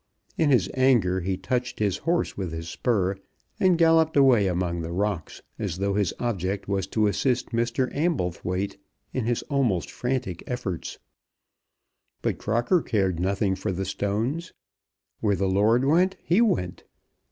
In his anger he touched his horse with his spur and galloped away among the rocks, as though his object was to assist Mr. Amblethwaite in his almost frantic efforts. But Crocker cared nothing for the stones. Where the lord went, he went.